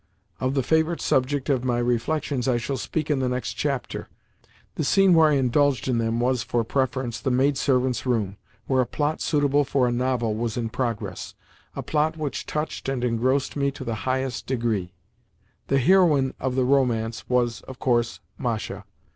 Of the favourite subject of my reflections I shall speak in the next chapter. The scene where I indulged in them was, for preference, the maidservants' room, where a plot suitable for a novel was in progress—a plot which touched and engrossed me to the highest degree. The heroine of the romance was, of course, Masha.